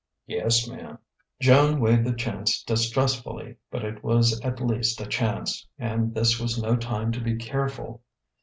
"Yes, ma'm." Joan weighed the chance distrustfully; but it was at least a chance, and this was no time to be careful.